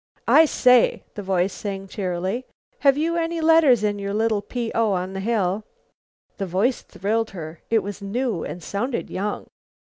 "I say," the voice sang cheerily, "have you any letters in your little P. O. on the hill?" The voice thrilled her. It was new and sounded young.